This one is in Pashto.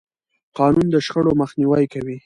قانون د شخړو مخنیوی کوي.